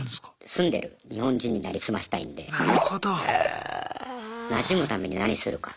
住んでる日本人に成り済ましたいんでなじむために何するか。